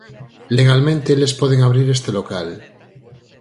Legalmente eles poden abrir este local.